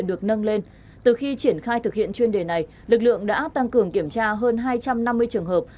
được nâng lên từ khi triển khai thực hiện chuyên đề này lực lượng đã tăng cường kiểm tra hơn hai trăm năm mươi trường hợp